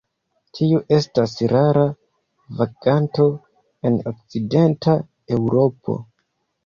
Tiu estas rara vaganto en okcidenta Eŭropo.